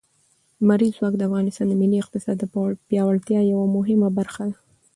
لمریز ځواک د افغانستان د ملي اقتصاد د پیاوړتیا یوه مهمه برخه ده.